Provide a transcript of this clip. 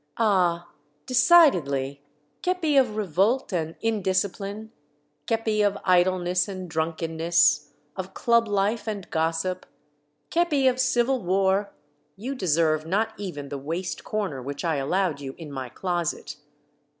Ah! decidedly, k^pi of revolt and indiscipline, kepi of idleness and drunkenness, of club life and gossip, kepi of civil war, you de serve not even the waste corner which I allowed you in my closet.